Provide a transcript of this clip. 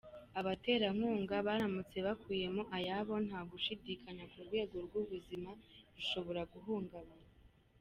Abaterankunga baramutse bakuyemo ayabo, nta gushidikanya ko urwego rw’ubuzima rushobora guhungabana.